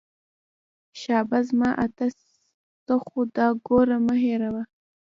شابه زما اتله خو دا ګوره مه هېروه.